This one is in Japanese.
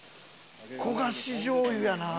焦がし醤油やな。